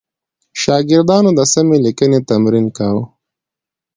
شاګردانو د سمې لیکنې تمرین کاوه.